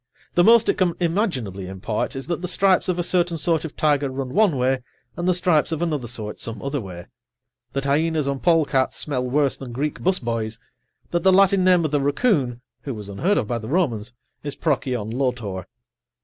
The most it can imaginably impart is that the stripes of a certain sort of tiger run one way and the stripes of another sort some other way, that hyenas and polecats smell worse than Greek 'bus boys, that the Latin name of the raccoon (who was unheard of by the Romans) is Procyon lotor.